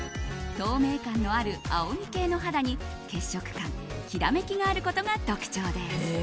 透明感のある青み系の肌に血色感、きらめきがあることが特徴です。